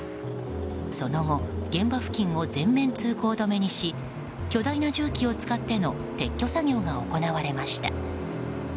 その後現場付近を全面通行止めにし巨大な重機を使っての撤去作業が行われました。